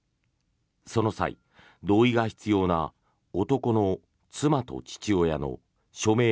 その際、同意が必要な男の妻と父親の署名・